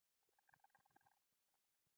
د ایران غالۍ په نړۍ کې مشهورې دي.